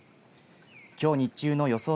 きょう日中の予想